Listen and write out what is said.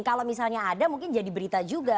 kalau misalnya ada mungkin jadi berita juga